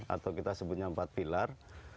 atau kita sebutnya empat pilar